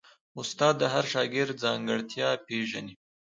استاد د هر شاګرد ځانګړتیا پېژني.